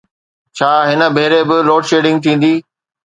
ڇا هن ڀيري به لوڊشيڊنگ ٿيندي؟